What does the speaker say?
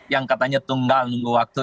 yang katanya tunggal waktu